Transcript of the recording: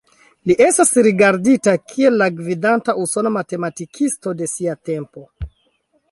Li estas rigardita kiel la gvidanta usona matematikisto de sia tempo.